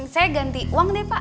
saya ganti uang deh pak